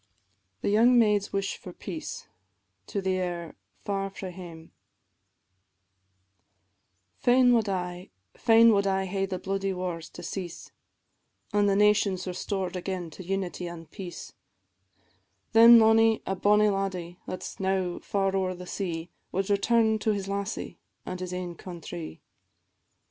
THE YOUNG MAID'S WISH FOR PEACE. AIR "Far frae Hame," &c. Fain wad I, fain wad I hae the bloody wars to cease, An' the nations restored again to unity an' peace; Then mony a bonnie laddie, that 's now far owre the sea, Wad return to his lassie, an' his ain countrie.